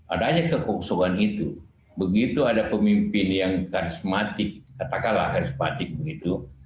adanya kekosongan itu begitu ada pemimpin yang karismatik katakanlah karismatik begitu